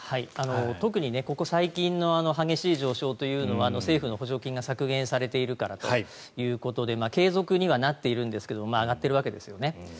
特にここ最近の激しい上昇というのは政府の補助金が削減されているからということで継続にはなっているんですが上がっているわけですよね。